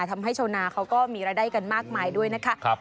ทำให้ชาวนาเขาก็มีรายได้กันมากมายด้วยนะคะ